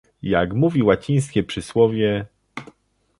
Jak mówi łacińskie przysłowie